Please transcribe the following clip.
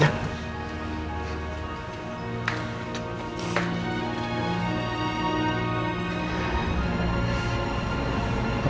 jangan lupa ya